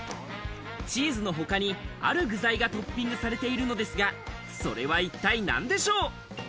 チーズの他にある具材がトッピングされているのですが、それは一体何でしょう。